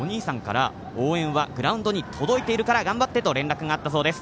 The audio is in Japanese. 昨日はお兄さんから、応援はグラウンドに届いているから頑張ってと連絡があったそうです。